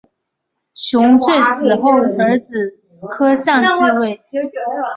熊遂死后儿子柯相继位。